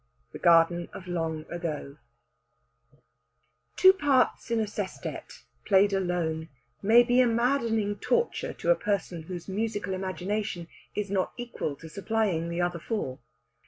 THE GARDEN OF LONG AGO Two parts in a sestet, played alone, may be a maddening torture to a person whose musical imagination is not equal to supplying the other four.